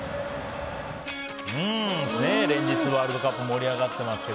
連日、ワールドカップ盛り上がっていますが。